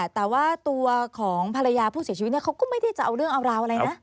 แต่ว่าตัวของภรรยาผู้เสียชีวิตเขาก็ไม่ได้จะเอาเรื่องเอาราวอะไรนะ